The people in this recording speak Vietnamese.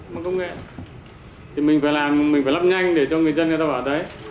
mà công nghệ thì mình phải làm mình phải lắp nhanh để cho người dân người ta bảo đấy